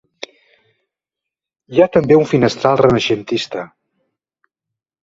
Hi ha també un finestral renaixentista.